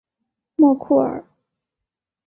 莫库尔。